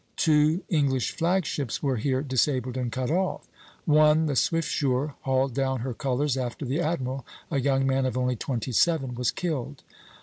Two English flag ships were here disabled and cut off; one, the "Swiftsure," hauled down her colors after the admiral, a young man of only twenty seven, was killed.